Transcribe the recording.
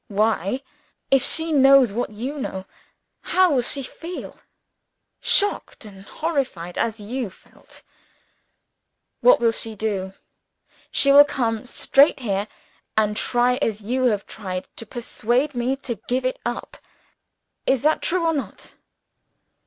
"Why! If she knows what you know, how will she feel? Shocked and horrified, as you felt. What will she do? She will come straight here, and try, as you have tried, to persuade me to give it up. Is that true or not?"